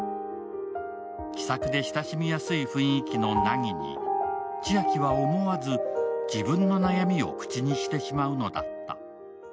気さくで親しみやすい雰囲気の凪に、千晶は思わず自分の悩みを口にしてしまうのだった。